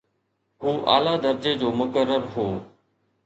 هو اعليٰ درجي جو مقرر هو.